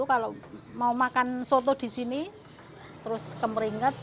kalau mau makan soto di sini terus kemeringet